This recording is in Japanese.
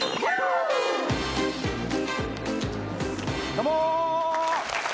どうも。